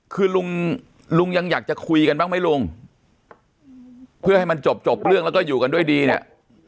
คือลุงลุงยังอยากจะคุยกันบ้างไหมลุงเพื่อให้มันจบจบเรื่องแล้วก็อยู่กันด้วยดีเนี่ย